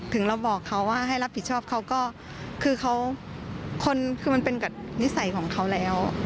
ถึงเราบอกเขาว่าให้รับผิดชอบเขาก็คือเขาคนคือมันเป็นกับนิสัยของเขาแล้ว